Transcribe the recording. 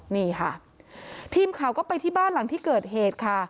นี่ค่ะทีมข่าวก็ไปที่บ้านหลังที่เกิดเหตุค่ะ